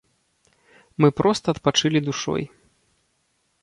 Мы проста адпачылі душой.